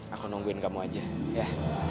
aku nungguin kamu aja ya